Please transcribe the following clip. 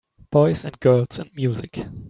Boys and girls and music.